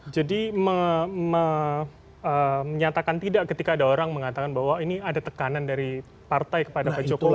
jadi menyatakan tidak ketika ada orang mengatakan bahwa ini ada tekanan dari partai kepada pak jokowi